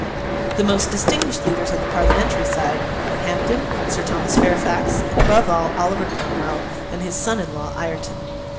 The most distinguished leaders on the Parliamentary side were Hampden, Sir Thomas Fairfax, and, above all, Oliver Cromwell, and his son in law Ireton.